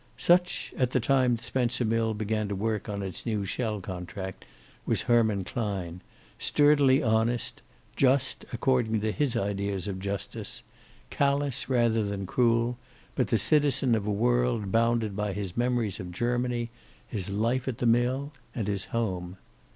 Such, at the time the Spencer mill began work on its new shell contract, was Herman Klein, sturdily honest, just according to his ideas of justice, callous rather than cruel, but the citizen of a world bounded by his memories of Germany, his life at the mill, and his home.